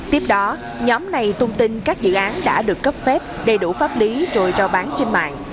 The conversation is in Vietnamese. tiếp đó nhóm này tung tin các dự án đã được cấp phép đầy đủ pháp lý rồi trao bán trên mạng